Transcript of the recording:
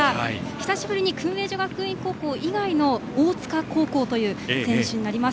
久しぶりに薫英女学院以外の大塚高校という選手です。